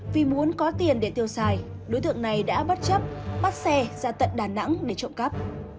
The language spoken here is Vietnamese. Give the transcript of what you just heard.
vẫn có tiền để tiêu xài đối thượng này đã bắt chấp bắt xe ra tận đà nẵng để trộm cắp